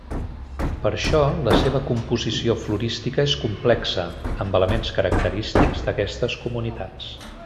Per això, la seva composició florística és complexa, amb elements característics d'aquestes comunitats.